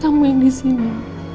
kamu yang disini